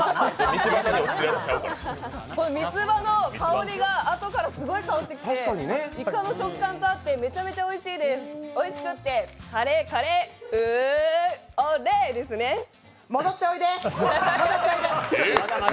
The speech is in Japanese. みつばの香りがあとからすごく来てイカの食感と合って、めちゃめちゃおいしいです、おいしくてカレー、カレー、う、オレ！ですね。おかん！